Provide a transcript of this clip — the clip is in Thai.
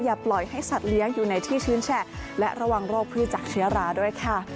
ปล่อยให้สัตว์เลี้ยงอยู่ในที่ชื้นแฉะและระวังโรคพืชจากเชื้อราด้วยค่ะ